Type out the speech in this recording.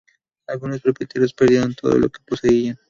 Algunos propietarios perdieron todo lo que poseían.